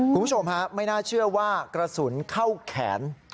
คุณผู้ชมฮะไม่น่าเชื่อว่ากระสุนเข้าแขน